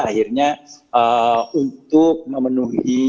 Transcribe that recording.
akhirnya untuk memenuhi